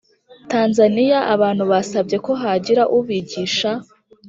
Tanzaniya abantu basabye ko hagira ubigisha